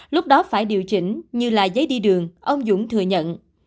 lúc đó phải điều chỉnh như là giấy đi đường ông dũng thừa nhận